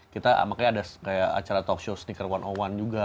kita makanya ada kayak acara talkshow sneaker satu ratus satu juga